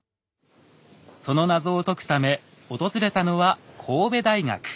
その謎を解くため訪れたのは神戸大学。